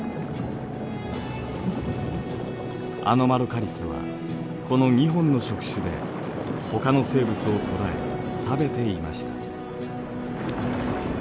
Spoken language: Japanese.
アノマロカリスはこの２本の触手でほかの生物を捕らえ食べていました。